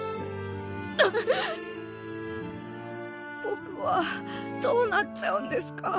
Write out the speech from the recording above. ぼくはどうなっちゃうんですか？